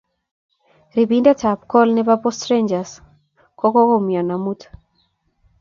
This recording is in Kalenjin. ripIndet ab gol nepo post rangers kokoumian amut